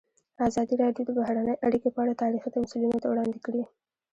ازادي راډیو د بهرنۍ اړیکې په اړه تاریخي تمثیلونه وړاندې کړي.